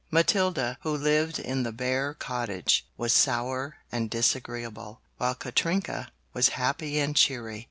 Matilda, who lived in the bare cottage, was sour and disagreeable, while Katrinka was happy and cheery.